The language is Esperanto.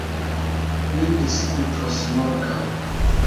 Ni diskutos morgaŭ.